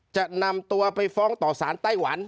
เจ้าหน้าที่แรงงานของไต้หวันบอก